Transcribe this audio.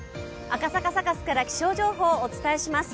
赤坂サカスから気象情報をお伝えします。